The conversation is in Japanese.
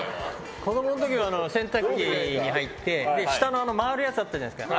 子供の時は洗濯機に入って下の回るやつあったじゃないですか。